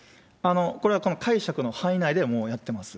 これはこの解釈の範囲内ではもうやってます。